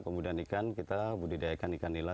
kemudian ikan kita budidayakan ikan nila